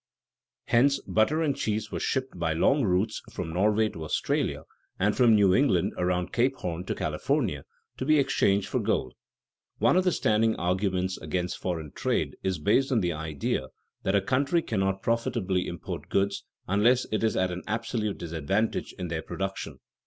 Hence butter and cheese were shipped by long routes from Norway to Australia and from New England around Cape Horn to California, to be exchanged for gold. One of the standing arguments against foreign trade is based on the idea that a country cannot profitably import goods unless it is at an absolute disadvantage in their production.